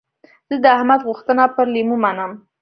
زه د احمد غوښتنه پر لېمو منم.